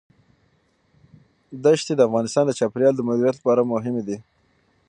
ښتې د افغانستان د چاپیریال د مدیریت لپاره مهم دي.